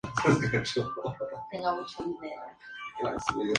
Fue miembro de la Confederación de Asociaciones Israelitas de Venezuela.